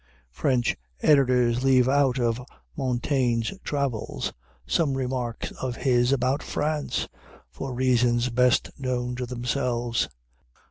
French editors leave out of Montaigne's "Travels" some remarks of his about France, for reasons best known to themselves.